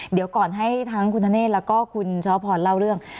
เดี๋ยวก่อนให้ทั้งคุณธเนธแล้วก็คุณชวพรเล่าเรื่อง